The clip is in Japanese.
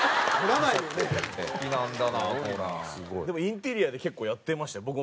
でもインテリアで結構やってましたよ。